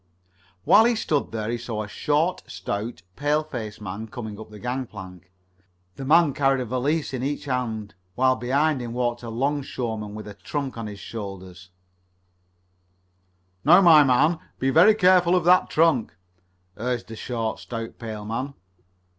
While he stood there he saw a short, stout, pale faced man coming up the gangplank. The man carried a valise in each hand, while behind him walked a 'longshoreman with a trunk on his shoulder. "Now, my man, be very careful of that trunk," urged the short, stout, pale man.